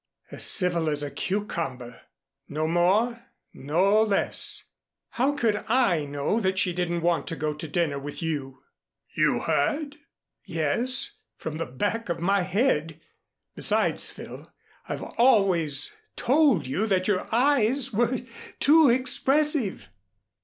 "As civil as a cucumber no more no less. How could I know that she didn't want to go in to dinner with you?" "You heard?" "Yes, from the back of my head. Besides, Phil, I've always told you that your eyes were too expressive."